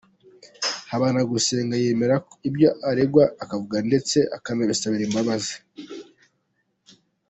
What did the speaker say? Habagusenga yiyemerera ibyo aregwa akavuga ndetse akanabisabira imbabazi.